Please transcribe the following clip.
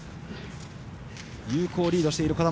有効リードしている児玉。